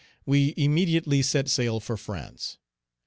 We immediately set sail for France.